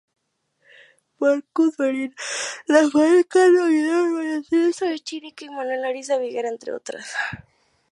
Marcos Marín, Rafael Cano Aguilar, María Teresa Echenique o Manuel Ariza Viguera, entre otros.